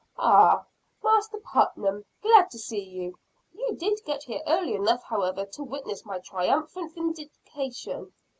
"Ah, Master Putnam, glad to see you. You did get here early enough however to witness my triumphant vindication.